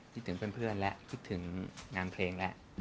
คิดถึงเพื่อนและคิดถึงงานเพลงและ